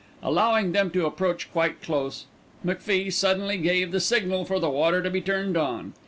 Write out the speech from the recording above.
Allowing them to approach quite close, McFie suddenly gave the signal for the water to be turned on.